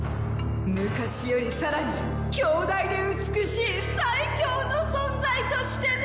昔より更に強大で美しい最強の存在としてね！